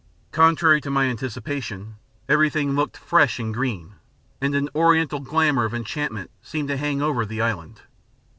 Contrary to my anticipation, everything looked fresh and green, and an oriental glamour of enchantment seemed to hang over the island.